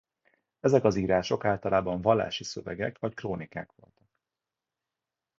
Ezek az írások általában vallási szövegek vagy krónikák voltak.